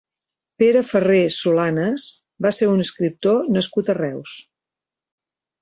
Pere Ferré Solanes va ser un escriptor nascut a Reus.